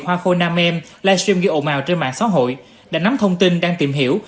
hoa khôi nam em livestream ghi ồn mào trên mạng xã hội đã nắm thông tin đang tìm hiểu